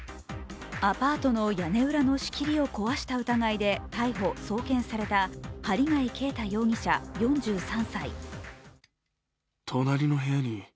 アパートの屋根裏の仕切りを壊した疑いで逮捕・送検された針谷啓太容疑者、４３歳。